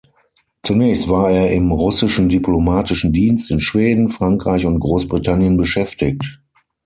Zunächst war er im russischen diplomatischen Dienst in Schweden, Frankreich und Großbritannien beschäftigt.